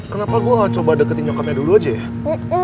kenapa gue gak coba deketin nyokapnya dulu aja ya